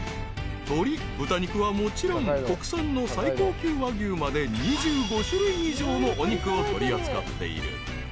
［鶏豚肉はもちろん国産の最高級和牛まで２５種類以上のお肉を取り扱っている］